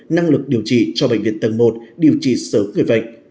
năng lực điều trị cho bệnh viện tầng một điều trị sớm người bệnh